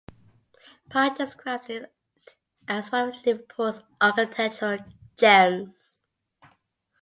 Pye describes it as one of Liverpool's "architectural gems".